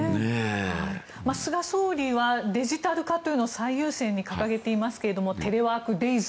菅総理はデジタル化というのを最優先に掲げていますがテレワーク・デイズ